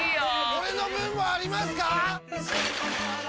俺の分もありますか！？